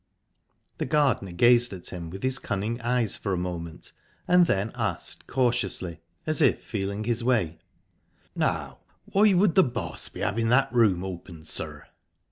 The gardener gazed at him with his cunning eyes for a moment, and then asked cautiously, as if feeling his way: "Now, why would the boss be having that room opened, sir?"